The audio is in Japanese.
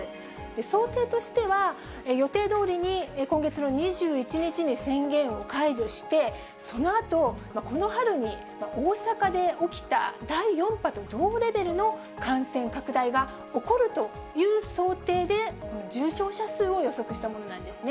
想定としては、予定どおりに今月の２１日に宣言を解除して、そのあと、この春に大阪で起きた第４波と同レベルの感染拡大が起こるという想定で、重症者数を予測したものなんですね。